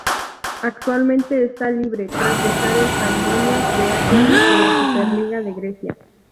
Actualmente está libre tras dejar el Panionios de Atenas de la Superliga de Grecia.